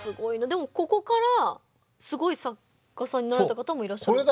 でもここからすごい作家さんになられた方もいらっしゃるんですか？